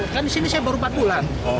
kan di sini saya baru empat bulan